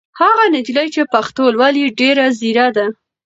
هغه نجلۍ چې پښتو لولي ډېره ځېره ده.